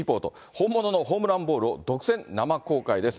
本物のホームランボールを独占生公開です。